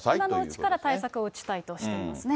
今のうちから対策を打ちたいとしていますね。